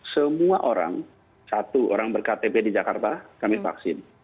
semua orang satu orang berktp di jakarta kami vaksin